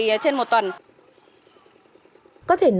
có thể nói là rau hữu cơ đại ngàn